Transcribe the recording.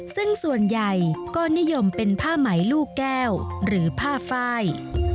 ซึ่งส่วนใหญ่ก็นิยมเป็นผ้าไหมลูกแก้วหรือผ้าไฟ